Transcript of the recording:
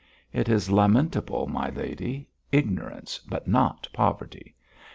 It is lamentable, my lady, ignorance, but not poverty.